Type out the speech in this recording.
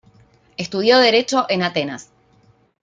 Estudió derecho en Atenas.